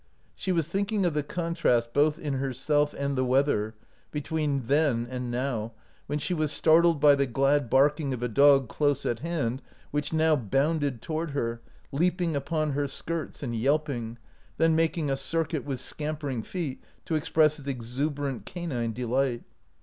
She was thinking of the contrast both in herself and the weather, between then and now, when she was star tled by the glad barking of a dog close at hand which now bounded toward her, leap ing upon her skirts and yelping, then mak ing a circuit with scampering feet to express his exuberant canine delight.